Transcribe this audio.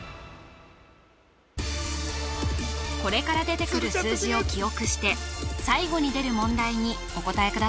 これから出てくる数字を記憶して最後に出る問題にお答え